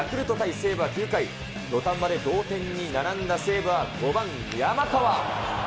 西武は９回、土壇場で同点に並んだ西武は、５番山川。